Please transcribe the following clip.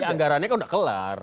ya anggarannya kan sudah kelar